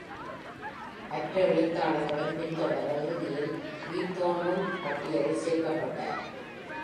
மற்ற எழுத்தாளர்களும் பின்தொடர, இறுதியில் Beethoven-வும் பட்டியலில் சேர்க்கப்பட்டார்.